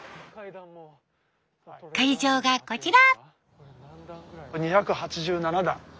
会場がこちら。